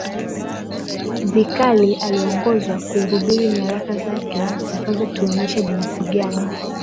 vikali aliongozwa kuihubiri Nyaraka zake zinatuonyesha jinsi gani